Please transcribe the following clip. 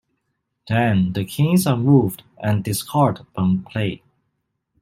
Then, the Kings are moved and discarded from play.